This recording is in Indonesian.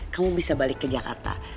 kamu bisa balik ke jakarta